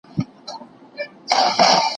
کمپيوټر فولډر انتقالوي.